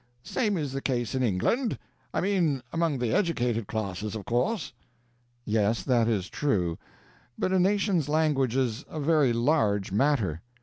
"The same is the case in England I mean among the educated classes, of course." "Yes, that is true; but a nation's language is a very large matter.